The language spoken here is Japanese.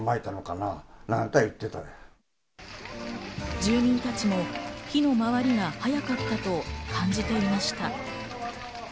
住民たちも火のまわりが早かったと感じていました。